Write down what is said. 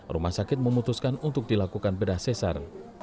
rumah sakit memutuskan untuk dilakukan bedah sesar